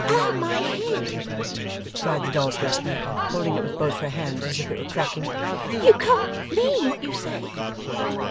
'Oh my head!' cried the dolls' dressmaker, holding it with both her hands, as if it were cracking. 'You can't mean what you say.